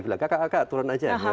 bilang kakak kakak turun aja